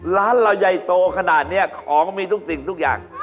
ร้านเราใหญ่โตขนาดนี้ของมีทุกสิ่งทุกอย่าง